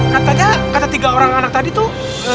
katanya kata tiga orang anak tadi tuh